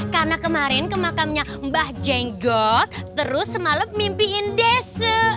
karena kemarin ke makamnya mbah jenggot terus semalem mimpiin dese